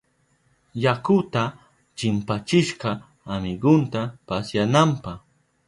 Yakuta chimpachishka amigunta pasyananpa.